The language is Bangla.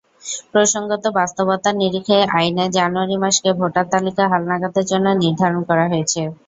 প্রসঙ্গত, বাস্তবতার নিরিখেই আইনে জানুয়ারি মাসকে ভোটার তালিকা হালনাগাদের জন্য নির্ধারিত করা হয়েছে।